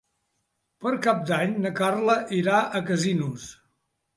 Per Cap d'Any na Carla irà a Casinos.